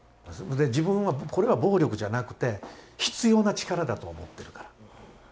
自分はこれは暴力じゃなくて必要な力だと思ってるから。